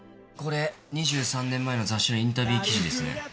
これ、２３年前の雑誌のインタビュー記事ですね。